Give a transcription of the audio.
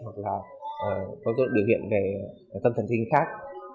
hoặc là có dấu loạn biểu hiện về tâm thần kinh khác